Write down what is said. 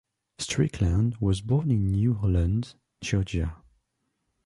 Strickland was born in New Holland, Georgia.